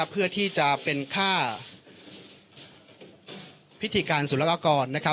เพื่อที่จะเป็นค่าพิธีการศูนย์รักษากร